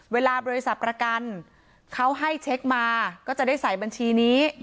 เวลาบริษัทประกันเขาให้เช็คมาก็จะได้ใส่บัญชีนี้